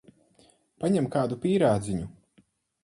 Paņem kādu pīrādziņu.